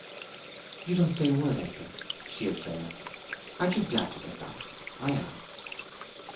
"You don't say a word, Edgar," she observed. "Aren't you glad to get back? I am."